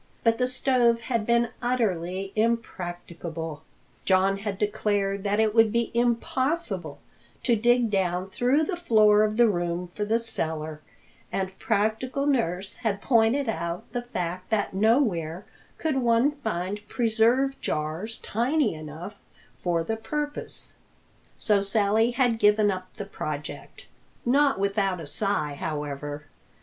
But the stove had been utterly impracticable, John had declared that it would be impossible to dig down through the floor of the room for the cellar, and practical nurse had pointed out the fact that nowhere could one find preserve jars tiny enough for the purpose. So Sally had given up the project, not without a sigh however.